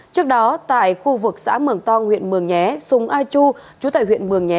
trước đó tại khu vực xã mường to huyện mường nhé sùng ai chu chú tại huyện mường nhé